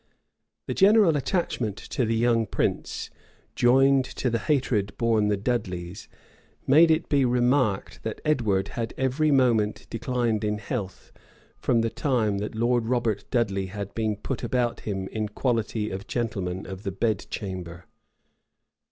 The general attachment to the young prince, joined to the hatred borne the Dudleys, made it be remarked, that Edward had every moment declined in health, from the time that Lord Robert Dudley had been put about him in quality of gentleman of the bedchamber.